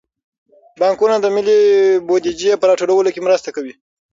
بانکونه د ملي بودیجې په راټولولو کې مرسته کوي.